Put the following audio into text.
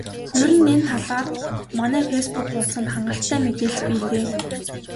Ер нь энэ талаар манай фейсбүүк хуудсанд хангалттай мэдээлэл бий дээ.